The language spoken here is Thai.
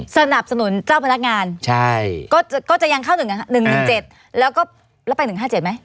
สนับสนุนเจ้าพนักงานก็จะยังเข้าหนึ่งหนึ่งเจ็ดแล้วก็แล้วไปหนึ่งห้าเจ็ดไหม